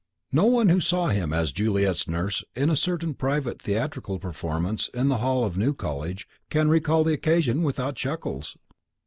No one who saw him as Juliet's nurse in a certain private theatrical performance in the hall of New College can recall the occasion without chuckles.